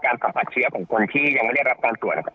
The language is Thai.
สัมผัสเชื้อของคนที่ยังไม่ได้รับการตรวจนะครับ